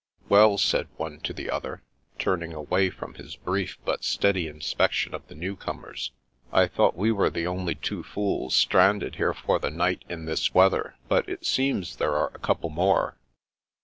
" Well," said one to the other, turning away from his brief but steady inspection of the newcomers, " I thought we were the only two fools stranded here 296 The Princess Passes for the night in this weather, but it seems there are a couple more."